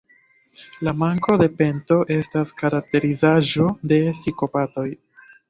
La manko de pento estas karakterizaĵo de psikopatoj.